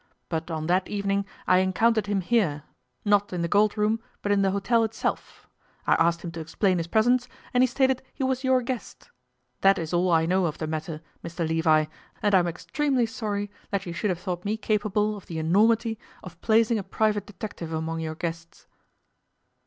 But on that evening I encountered him here not in the Gold Room, but in the hotel itself. I asked him to explain his presence, and he stated he was your guest. That is all I know of the matter, Mr Levi, and I am extremely sorry that you should have thought me capable of the enormity of placing a private detective among your guests.